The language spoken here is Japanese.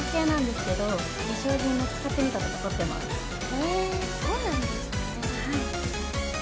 へぇそうなんですね